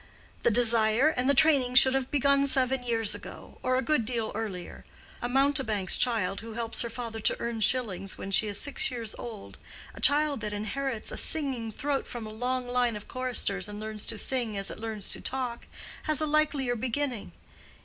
The desire and the training should have begun seven years ago—or a good deal earlier. A mountebank's child who helps her father to earn shillings when she is six years old—a child that inherits a singing throat from a long line of choristers and learns to sing as it learns to talk, has a likelier beginning.